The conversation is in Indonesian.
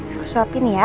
aku suapin ya